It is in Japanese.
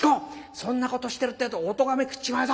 そんなことしてるってえとおとがめ食っちまうぞ。